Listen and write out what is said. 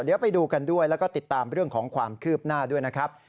เดี๋ยวไปดูกันด้วยแล้วก็ติดตามเรื่องของความคืบหน้าด้วยนะครับ